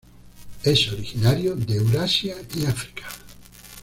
Es originario de Eurasia y África.